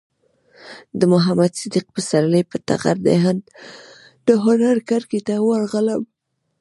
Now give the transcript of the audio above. د محمد صدیق پسرلي پر ټغر د هنر کړکۍ ته ورغلم.